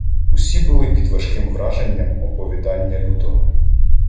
Усі були під важким враженням оповідання Лютого.